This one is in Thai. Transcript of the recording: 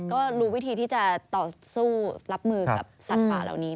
ก็รู้วิธีที่จะต่อสู้รับมือกับสัตว์ป่าเหล่านี้